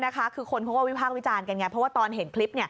คือคนเขาก็วิพากษ์วิจารณ์กันไงเพราะว่าตอนเห็นคลิป